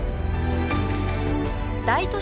大都市